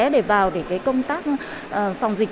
để vào để cái công tác phòng dịch